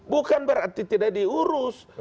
bukan berarti tidak diurus